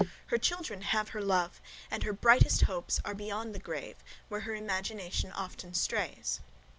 Her children have her love, and her brightest hopes are beyond the grave, where her imagination often strays.